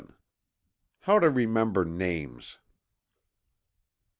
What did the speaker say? HOW TO REMEMBER NAMES.